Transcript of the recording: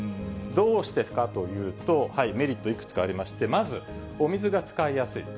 どうしてかというと、メリット、いくつかありまして、まず、お水が使いやすい。